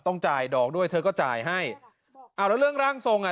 ต้องจ่ายดอกด้วยเธอก็จ่ายให้เอาแล้วเรื่องร่างทรงอ่ะ